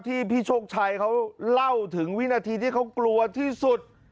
พี่โชคชัยเขาเล่าถึงวินาทีที่เขากลัวที่สุด